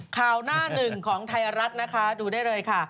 ข่าวหน้าหนึ่งของไทยรัฐนะคะดูได้เลยค่ะ